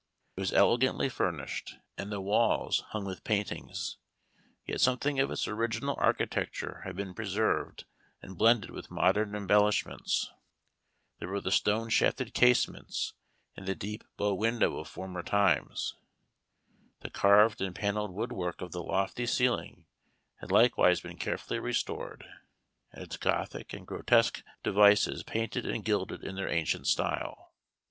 It was elegantly furnished, and the walls hung with paintings, yet something of its original architecture had been preserved and blended with modern embellishments. There were the stone shafted casements and the deep bow window of former times. The carved and panelled wood work of the lofty ceiling had likewise been carefully restored, and its Gothic and grotesque devices painted and gilded in their ancient style.